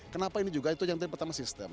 kenapa ini juga itu yang tadi pertama sistem